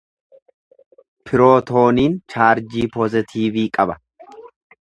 Pirootooniin chaarjii poozatiivii qaba.